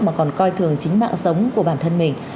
mà còn coi thường chính mạng sống của bản thân mình